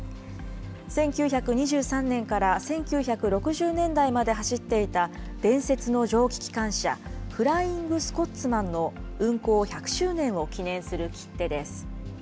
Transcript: １９２３年から１９６０年代まで走っていた、伝説の蒸気機関車、フライング・スコッツマンの運行１００周年を記念する切手です。